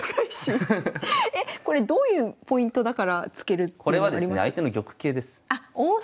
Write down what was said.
えっこれどういうポイントだから突けるっていうのあります？